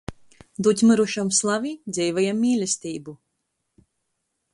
Dūd myrušam slavi, dzeivajam mīlesteibu.